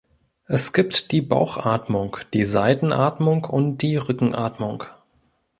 Es gibt die Bauchatmung, die Seitenatmung und die Rückenatmung.